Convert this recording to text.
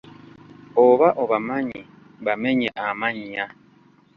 Oba obamanyi bamenye amannya.